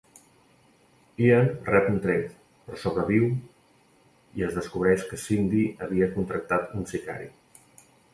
Ian rep un tret, però sobreviu i es descobreix que Cindy havia contractat un sicari.